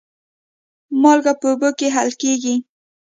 مالګه په اوبو کې حل کېږي.